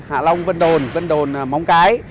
hạ long vân đồn vân đồn móng cái